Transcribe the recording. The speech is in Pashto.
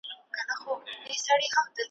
ملنګه ! چې دا خلک پۀ تُندۍ چرته روان دي؟ `